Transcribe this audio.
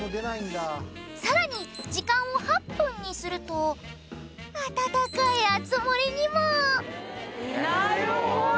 さらに時間を８分にすると温かい熱盛りにも。